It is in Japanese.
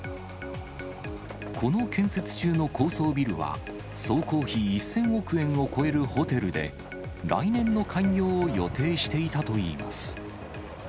この建設中の高層ビルは、総工費１０００億円を超えるホテルで、来年の開業を予定していたといいます。